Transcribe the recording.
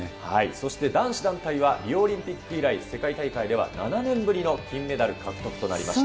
そして男子団体は、リオオリンピック以来、世界大会では７年ぶりの金メダル獲得となりました。